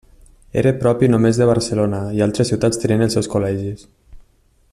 Era propi només de Barcelona i altres ciutats tenien els seus Col·legis.